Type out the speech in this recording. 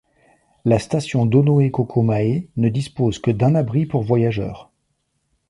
La station d'Onoekōkōmae ne dispose que d'un abri pour voyageurs.